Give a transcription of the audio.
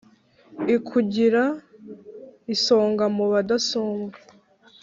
Ikugira isonga mu Badasumbwa.